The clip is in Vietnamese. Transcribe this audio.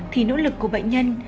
thì nỗ lực của bệnh nhân